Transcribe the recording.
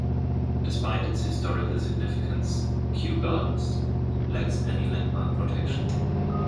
Despite its historical significance, Kew Gardens lacks any landmark protection.